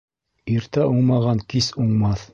Иртә уңмаған кис уңмаҫ